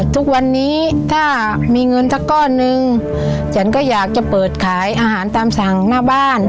ทุกวันนี้ถ้ามีเงินสักก้อนนึงฉันก็อยากจะเปิดขายอาหารตามสั่งหน้าบ้าน